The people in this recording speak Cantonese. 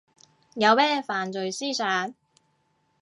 有咩犯罪思想